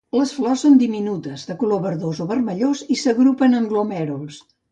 Les flors són diminutes, de color verdós o vermellós, i s'agrupen en glomèruls.